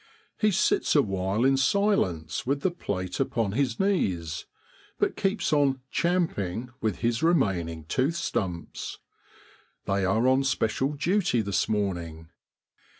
He sits awhile in silence with the plate upon his knees, but keeps on ' champing ' with his remaining tooth stumps. They are on special duty this morning.